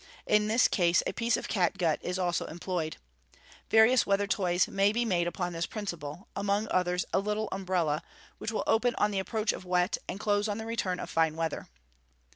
In this case, a piece of cat gut is also employed. Various weather toys may be made upon this principle among others, a little umbrella, which will open on the approach of wet, and close on the return of fine weather.